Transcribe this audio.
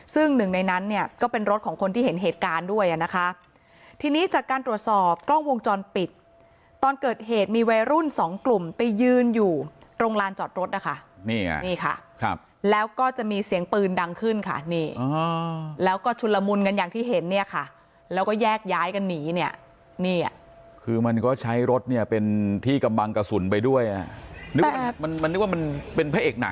ซึ่งหนึ่งในนั้นเนี่ยก็เป็นรถของคนที่เห็นเหตุการณ์ด้วยนะคะที่นี้จากการตรวจสอบกล้องวงจอดปิดตอนเกิดเหตุมีวัยรุ่น๒กลุ่มไปยืนอยู่ตรงร้านจอดรถนะคะนี่ค่ะแล้วก็จะมีเสียงปืนดังขึ้นค่ะนี่แล้วก็ชุดละมุนอย่างที่เห็นเ